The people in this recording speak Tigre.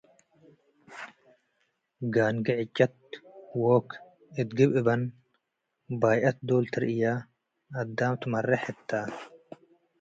ጋንጊ ዕጨ'ት ዎክ እት ግብ እበን ባይአት ዶል ትርእየ፡ አዳም ትመሬሕ እተ'"።